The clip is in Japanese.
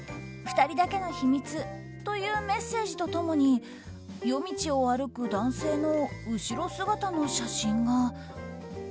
「２人だけの秘密」というメッセージと共に夜道を歩く男性の後ろ姿の写真が。